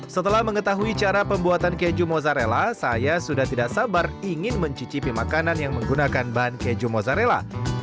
setelah mengetahui cara pembuatan keju mozzarella saya sudah tidak sabar ingin mencicipi makanan yang menggunakan bahan keju mozzarella